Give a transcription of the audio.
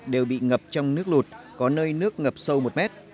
đều bị ngập trong nước lụt có nơi nước ngập sâu một mét